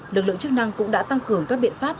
lực lượng chức năng cũng đã tăng cường các biện pháp